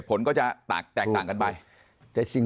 มุมนักวิจักรการมุมประชาชนทั่วไป